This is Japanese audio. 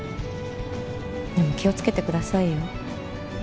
でも気を付けてくださいよ。